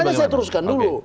makanya saya teruskan dulu